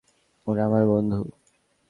ওরা আমার বন্ধু!